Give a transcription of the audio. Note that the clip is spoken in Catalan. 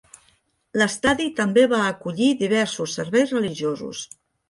L'estadi també va acollir diversos serveis religiosos.